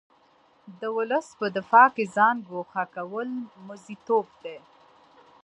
د ولس په دفاع کې ځان ګوښه کول موزیتوب دی.